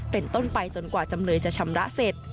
เป็นต้นไปจนกว่าจำเลยจะชำระเสร็จ